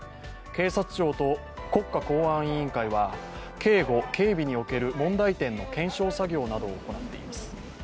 警察庁と国家公安委員会は警護警備における問題点の検証作業などを行っています。